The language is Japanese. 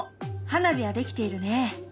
花火は出来ているね。